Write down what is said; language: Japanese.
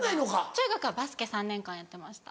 中学はバスケ３年間やってました。